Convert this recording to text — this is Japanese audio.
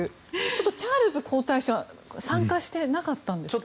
ちょっとチャールズ皇太子は参加してなかったんですか？